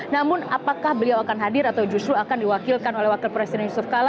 namun apakah beliau akan hadir atau justru akan diwakilkan oleh wakil presiden yusuf kala